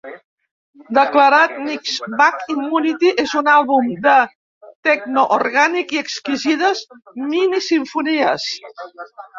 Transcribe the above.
Declarat "MixMag", "Immunity" és un àlbum de tecno orgànic i exquisides mini-simfonies.